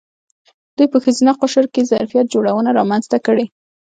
دوی په ښځینه قشر کې ظرفیت جوړونه رامنځته کړې.